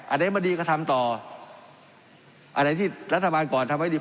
อันไหนไม่ดีก็ทำต่ออันไหนที่รัฐบาลก่อนทำไว้ดี